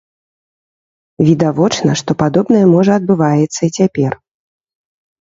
Відавочна, што падобнае можа адбываецца і цяпер.